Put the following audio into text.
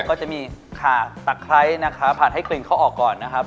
ก็จะมีขาตะไคร้นะคะผัดให้กลิ่นเขาออกก่อนนะครับ